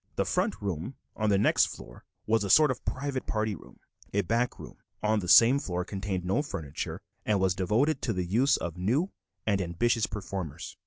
The front room on the next floor was a sort of private party room; a back room on the same floor contained no furniture and was devoted to the use of new and ambitious performers.